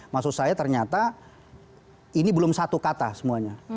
maksud saya ternyata ini belum satu kata semuanya